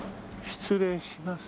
失礼します。